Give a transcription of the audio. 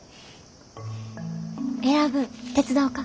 選ぶん手伝おか？